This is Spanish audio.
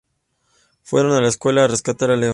Fueron a la escuela a rescatar a Leo.